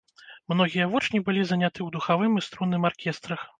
Многія вучні былі заняты ў духавым і струнным аркестрах.